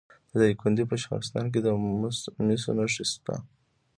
د دایکنډي په شهرستان کې د مسو نښې شته.